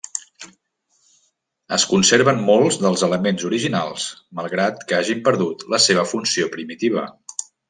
Es conserven molts dels elements originals malgrat que hagin perdut la seva funció primitiva.